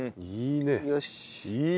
いいね！